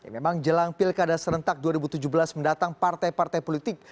memang jelang pilkada serentak dua ribu tujuh belas mendatang partai partai politik